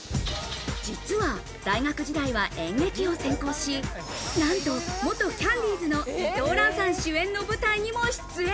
実は大学時代は演劇を専攻し、なんと元キャンディーズの伊藤蘭さん主演の舞台にも出演。